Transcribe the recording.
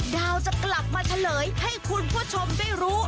ดาวจะกลับมาเฉลยให้คุณผู้ชมได้รู้